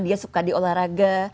dia suka di olahraga